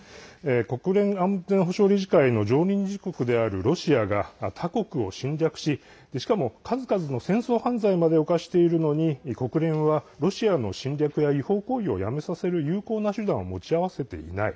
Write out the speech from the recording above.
国連安保理・常任理事国であるロシアが他国を侵略ししかも数々の戦争犯罪まで犯しているのに国連はロシアの侵略や違法行為をやめさせる有効な手段を持ち合わせていません。